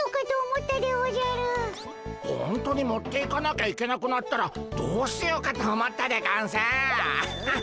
ほんとに持っていかなきゃいけなくなったらどうしようかと思ったでゴンス。